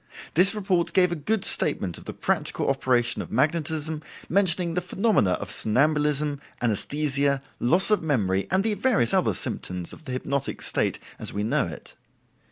This report gave a good statement of the practical operation of magnetism, mentioning the phenomena of somnambulism, anesthesia, loss of memory, and the various other symptoms of the hypnotic state as we know it.